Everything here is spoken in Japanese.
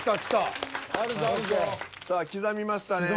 さあ刻みましたね。